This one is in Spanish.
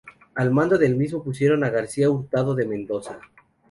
Al mando del mismo pusieron a García Hurtado de Mendoza.